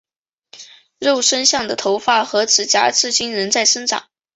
肉身像的头发和指甲至今仍在生长。